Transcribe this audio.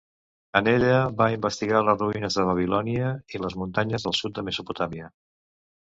En ella va investigar les ruïnes de Babilònia i les muntanyes del sud de Mesopotàmia.